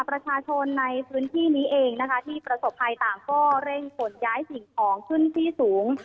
ประชาชนในพื้นที่นี้เองนะคะที่ประสบภัยต่างก็เร่งขนย้ายสิ่งของขึ้นที่สูง